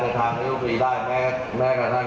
เราก็มีต่อได้มั้ย